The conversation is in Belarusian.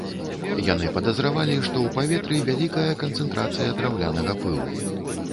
Яны падазравалі, што ў паветры вялікая канцэнтрацыя драўлянага пылу.